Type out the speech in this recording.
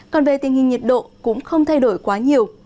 còn về tình hình nhiệt độ cũng không thay đổi quá nhiều